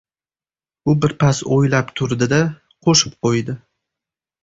— U birpas o‘ylab turdi-da, qo‘shib qo‘ydi.